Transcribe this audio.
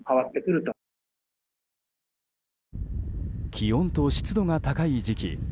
気温と湿度が高い時期。